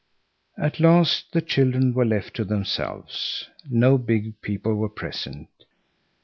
At last the children were left to themselves. No big people were present.